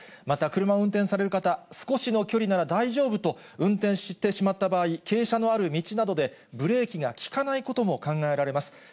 また車を運転される方、少しの距離なら大丈夫と運転してしまった場合、傾斜のある道などでブレーキが利かないことも考えられます。